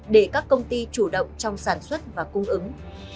để các công ty chủ động trong sản xuất và cung ứng